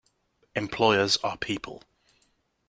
Employers are people.